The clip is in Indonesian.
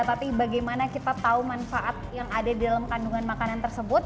tapi bagaimana kita tahu manfaat yang ada di dalam kandungan makanan tersebut